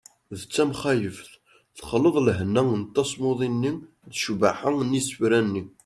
d tamxaleft : texleḍ lehna n tasmuḍi-nni d ccbaḥa n yisefra-nni